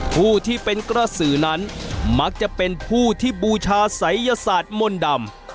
ผู้ที่เป็นกระสือนั้นมักจะเป็นผู้ที่บูชาศัยยศาสตร์มนต์ดำ